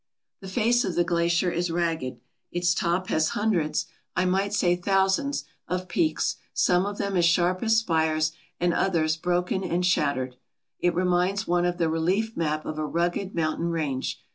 The face of the glacier is ragged. Its top has hundreds, I might say thousands, of peaks, some of them as sharp as spires and others broken and shattered. It reminds one of the relief map of a rugged mountain range.